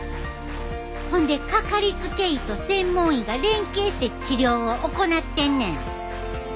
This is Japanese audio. ほんでかかりつけ医と専門医が連携して治療を行ってんねん。